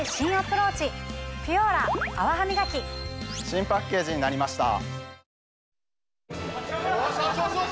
新パッケージになりました。